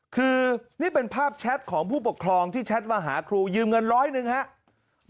คือนี่เป็นภาพแชทของผู้ปกครองที่แชทมาหาครูยืมเงินร้อยหนึ่งครับ